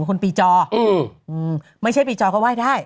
คนปีจอไม่ใช่ปีจอก็ไหว้ได้